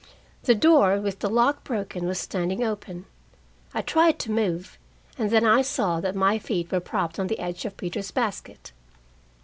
The door, with the lock broken, was standing open. I tried to move, and then I saw that my feet were propped up on the edge of Peter's basket.